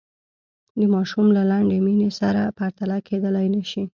د ماشوم له لنډې مینې سره پرتله کېدلای نه شي.